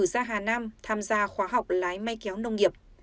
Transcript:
ra hà nam tham gia khóa học lái may kéo nông nghiệp